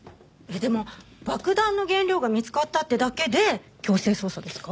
でも爆弾の原料が見つかったってだけで強制捜査ですか？